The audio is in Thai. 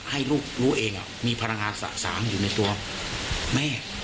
ให้ลูกรู้เองมีพลังงานสะสางอยู่ในตัวแม่